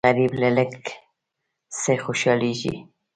غریب له لږ څه خوشالېږي